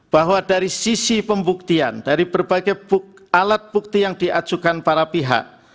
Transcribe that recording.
bahwa dari sisi pembuktian dari berbagai alat bukti yang diajukan para pihak